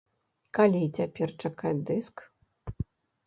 Калі цяпер чакаць дыск?